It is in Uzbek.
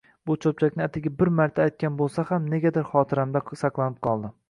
Bu cho‘pchakni atigi bir marta aytgan bo‘lsa ham negadir xotiramda saqlanib qoldi.